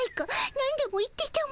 なんでも言ってたも。